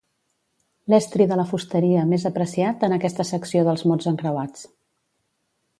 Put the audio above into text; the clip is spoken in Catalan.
L'estri de la fusteria més apreciat en aquesta secció dels mots encreuats.